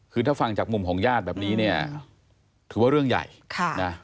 คือถ้าฟังจากมุมของญาติแบบนี้เนี่ยถือว่าเรื่องใหญ่ค่ะนะ